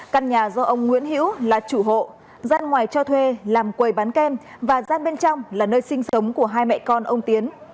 căn nhà do ông nguyễn hữu là chủ hộ gian ngoài cho thuê làm quầy bán kem và gian bên trong là nơi sinh sống của hai mẹ con ông tiến